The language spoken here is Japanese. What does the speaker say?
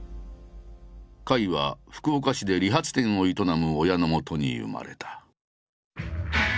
甲斐は福岡市で理髪店を営む親のもとに生まれた。